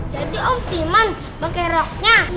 jadi om timan pakai roknya